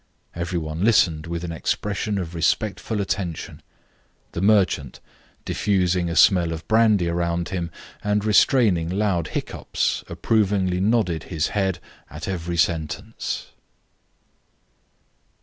Every one listened with an expression of respectful attention. The merchant, diffusing a smell of brandy around him, and restraining loud hiccups, approvingly nodded his head at every sentence.